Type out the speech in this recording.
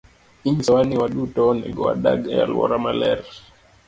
Inyisowa ni waduto onego wadag e alwora maler.